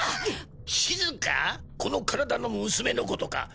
この体の娘のことか。